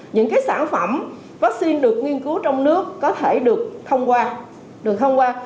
những cái sản phẩm vaccine được nghiên cứu trong nước có thể được thông qua